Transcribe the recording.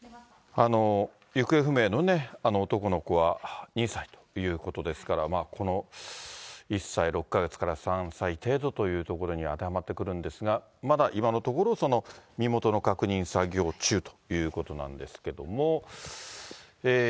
行方不明の男の子は２歳ということですから、この１歳６か月から３歳程度というところに当てはまってくるんですが、まだ今のところ、身元の確認作業中ということなんですけれども。